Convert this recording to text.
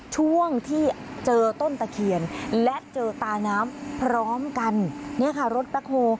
ช่วงที่เจอต้นตะเคียนและเจอตาน้ำพร้อมกันเนี่ยค่ะรถแบ็คโฮ